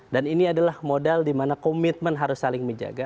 dan ini adalah modal di mana komitmen harus saling menjaga